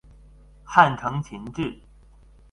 汉承秦制。